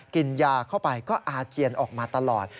กินยาเข้าไปก็อาเจียนออกมาตลอด